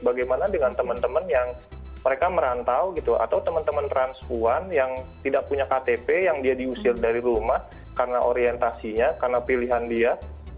bagaimana dengan teman teman yang mereka merantau gitu atau teman teman transpuan yang tidak punya ktp yang dia diusir dari rumah karena orientasinya karena pilihan dia